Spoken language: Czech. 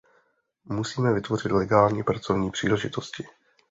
Musíme vytvořit legální pracovní příležitosti.